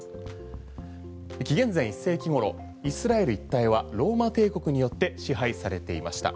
紀元前１世紀頃イスラエル一帯はローマ帝国によって支配されていました。